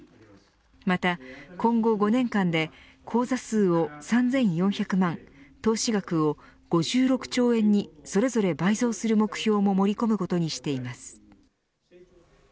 また、今後５年間で口座数を３４００万投資額を５６兆円にそれぞれ倍増する目標も盛り込むことにしています。